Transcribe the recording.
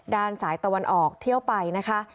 ด้านสายตะวันออกเที่ยวไปนะคะ